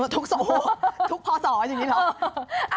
ทุกศกทุกพอสองอยู่นี้หรอ